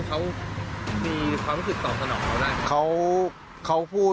เขามีความรู้สึกตอบสนองเหรอได้หรอครับ